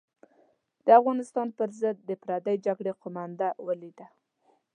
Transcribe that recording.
د افغانستان پر ضد د پردۍ جګړې قومانده ولیده.